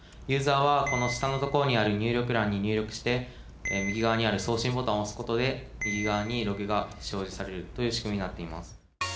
ユーザーはこの下のところにある入力欄に入力して右側にある送信ボタンを押すことで右側にログが表示されるというしくみになっています。